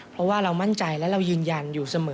เพราะว่าเรามั่นใจและเรายืนยันอยู่เสมอ